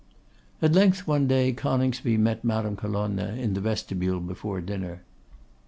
At length one day Coningsby met Madame Colonna in the vestibule before dinner.